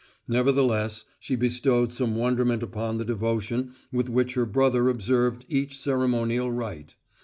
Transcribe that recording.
Nevertheless, she bestowed some wonderment upon the devotion with which her brother observed each ceremonial rite.